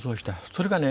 それをね